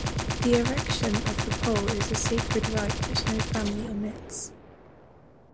The erection of the pole is a sacred rite which no family omits.